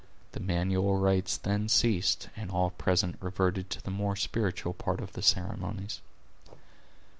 The manual rites then ceased and all present reverted to the more spiritual part of the ceremonies.